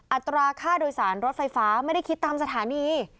อัตราค่าโดยสารรถไฟฟ้าไม่ได้คิดตามสถานี